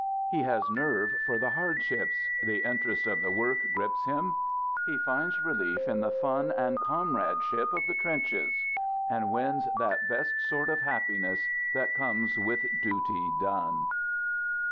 He has nerve for the hardships; the interest of | the work grips him; he finds relief in the fun and comradeship of the trenches, and wins that best sort of happiness that comes with duty done.